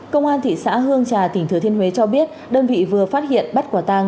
công an thị xã hương trà tỉnh thừa thiên huế cho biết đơn vị vừa phát hiện bắt quả tàng